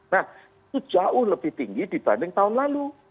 nah itu jauh lebih tinggi dibanding tahun lalu